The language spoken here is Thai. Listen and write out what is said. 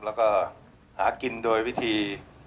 แล้วก็หากินโดยวิธี